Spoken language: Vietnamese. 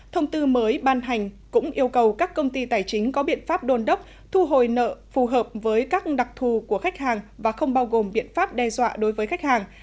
thông tư mới ban hành cũng yêu cầu các công ty tài chính có biện pháp đồn đốc thu hồi nợ phù hợp với các đặc thù của khách hàng và không bao gồm biện pháp đe dọa đối với khách hàng